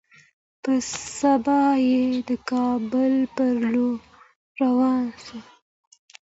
پر سبا يې د کابل پر لور روان سو.